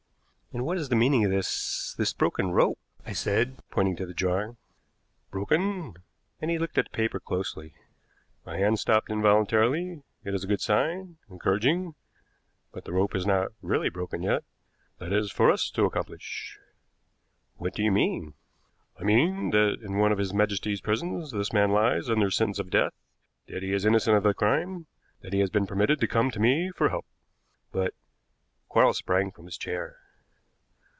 "And what is the meaning of this this broken rope?" I said, pointing to the drawing. "Broken?" and he looked at the paper closely. "My hand stopped involuntarily. It is a good sign encouraging but the rope is not really broken yet. That is for us to accomplish." "What do you mean?" "I mean that in one of His Majesty's prisons this man lies under sentence of death, that he is innocent of the crime, that he has been permitted to come to me for help." "But ?" Quarles sprang from his chair.